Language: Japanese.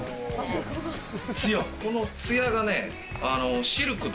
このツヤが。